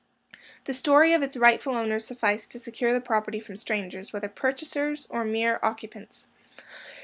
The story of its rightful owners sufficed to secure the property from strangers, whether purchasers or mere occupants.